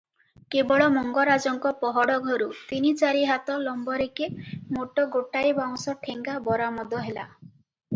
କେବଳ ମଙ୍ଗରାଜଙ୍କ ପହଡ଼ଘରୁ ତିନି ଚାରି ହାତ ଲମ୍ବରେକେ ମୋଟ ଗୋଟାଏ ବାଉଁଶ ଠେଙ୍ଗା ବରାମଦ ହେଲା ।